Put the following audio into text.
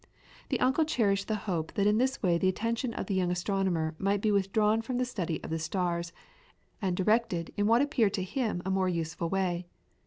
The uncle cherished the hope that in this way the attention of the young astronomer might be withdrawn from the study of the stars and directed in what appeared to him a more useful way.